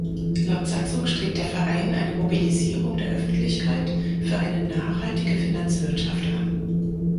Laut Satzung strebt der Verein eine „Mobilisierung der Öffentlichkeit“ für eine „nachhaltige Finanzwirtschaft“ an.